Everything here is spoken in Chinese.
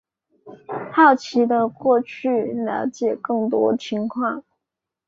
好奇的过去了解更多情况